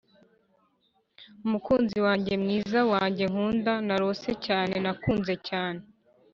umukunzi wanjye mwiza wanjye nkunda. narose cyane nakunze cyane,